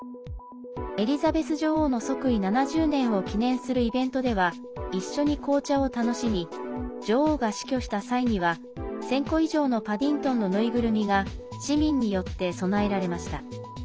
エリザベス女王の即位７０年を記念するイベントでは一緒に紅茶を楽しみ女王が死去した際には１０００個以上のパディントンの縫いぐるみが市民によって供えられました。